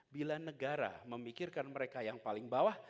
bila negara memikirkan mereka yang paling bawah